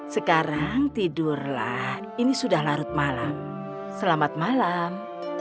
sekarang tidurlah ini sudah larut malam selamat malam